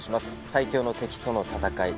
最強の敵との戦い